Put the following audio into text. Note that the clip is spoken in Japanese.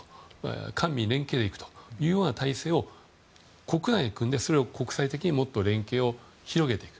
官民連携で行くというような体制を国内に組んで、それを国際的にもっと連携を広げていく。